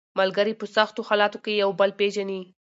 ملګري په سختو حالاتو کې یو بل پېژني